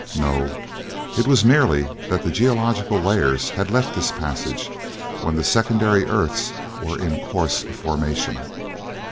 No! It was merely that the geological layers had left this passage when the secondary earths were in course of formation.